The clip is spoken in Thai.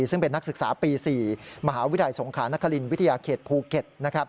ซึ่งเป็นนักศึกษาปี๔มหาวิทยาลัยสงขานครินวิทยาเขตภูเก็ต